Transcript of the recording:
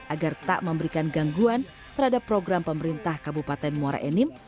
agar tak memberikan gangguan terhadap program pemerintah kabupaten muara enim